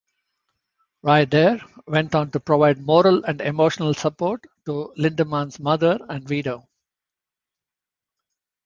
Raeder went on to provide moral and emotional support to Lindemann's mother and widow.